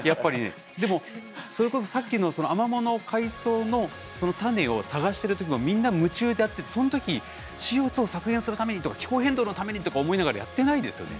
でもそれこそさっきのアマモの海草の種を探してるときもみんな夢中でやってそのときＣＯを削減するためにとか気候変動のためにとか思いながらやってないですよね。